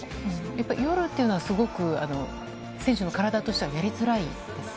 やっぱり夜というのは、すごく選手の体としてはやりづらいですか。